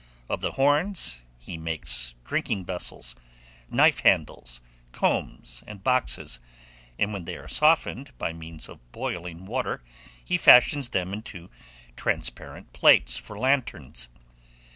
Of the horns he makes drinking vessels, knife handles, combs, and boxes; and when they are softened by means of boiling water, he fashions them into transparent plates for lanterns.